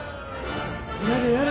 やれやれ。